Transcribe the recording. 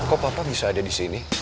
kok papa bisa ada di sini